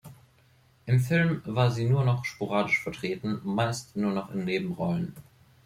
Im Film war sie nur noch sporadisch vertreten, meist nur noch in Nebenrollen.